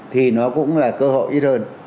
thì nó cũng là cơ hội ít hơn